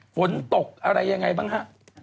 ฝนตกอะไรยังไงบ้างฮะ